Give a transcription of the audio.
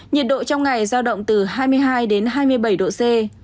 nhiệt độ trong ngày giao động từ hai mươi hai đến hai mươi bảy độ c